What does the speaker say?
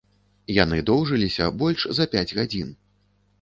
Яны доўжыліся больш за пяць гадзін.